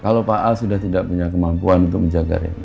kalau pak al sudah tidak punya kemampuan untuk menjaganya